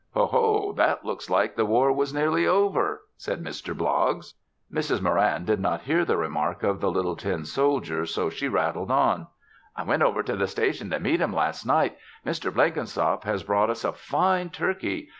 "Ho, ho! That looks like the war was nearly over," said Mr. Bloggs. Mrs. Moran did not hear the remark of the little tin soldier so she rattled on: "I went over to the station to meet 'em last night. Mr. Blenkinsop has brought us a fine turkey.